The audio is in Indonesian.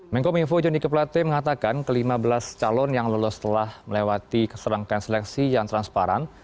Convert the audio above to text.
menkomunikasi joni g pelate mengatakan ke lima belas calon yang lolos telah melewati keserangkan seleksi yang transparan